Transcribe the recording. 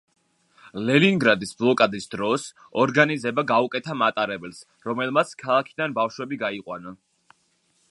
ლენინგრადის ბლოკადის დროს, ორგანიზება გაუკეთა მატარებელს, რომელმაც ქალაქიდან ბავშვები გაიყვანა.